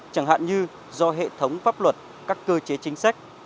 chẳng hạn như do hệ thống pháp luật các cơ chế chính sách